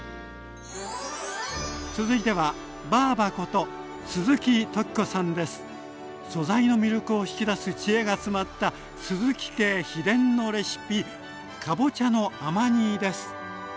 続いてはばぁばこと素材の魅力を引き出す知恵が詰まった鈴木家秘伝のレシピかぼちゃの甘煮です。